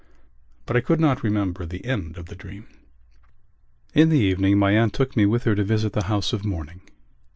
But I could not remember the end of the dream. In the evening my aunt took me with her to visit the house of mourning.